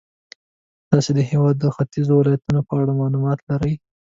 تاسې د هېواد د ختیځو ولایتونو په اړه معلومات لرئ.